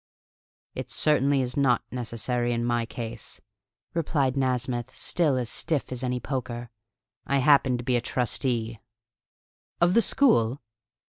"It certainly is not necessary in my case," replied Nasmyth, still as stiff as any poker. "I happen to be a trustee." "Of the school?"